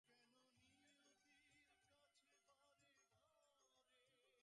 সিরিয়ায় থাকা বিদেশি জঙ্গিরা আফগানিস্তানমুখী হচ্ছে বলে আন্তর্জাতিক গণমাধ্যমে খবর বের হচ্ছে।